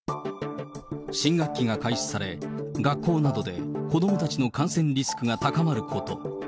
新学期が開始され、学校などで子どもたちの感染リスクが高まること。